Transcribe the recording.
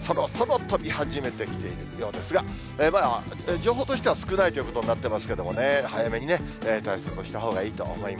そろそろ飛び始めてきているようですが、情報としては少ないということになってますけどね、早めにね、対策をしたほうがいいと思います。